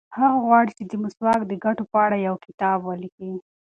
هغه غواړي چې د مسواک د ګټو په اړه یو کتاب ولیکي.